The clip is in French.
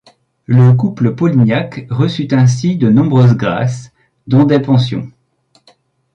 Le couple Polignac reçut ainsi de nombreuses grâces, dont des pensions.